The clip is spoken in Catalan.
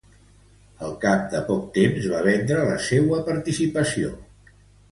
Al cap de poc temps va vendre la seua participació.